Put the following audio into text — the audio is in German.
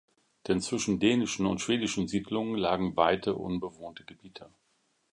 Denn zwischen dänischen und schwedischen Siedlungen lagen weite unbewohnte Gebiete.